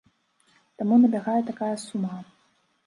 Таму набягае такая сума.